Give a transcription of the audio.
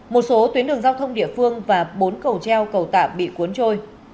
một số tuyến đường giao thông địa phương và bốn cầu treo cầu tạm bị cuốn trôi